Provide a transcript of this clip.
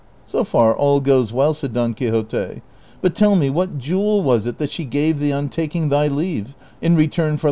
" So far all goes well," said Don Quixote ;" but tell me what jewel was it that she gave thee on taking thy leave, in return for thy tidings of me